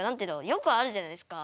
よくあるじゃないですか。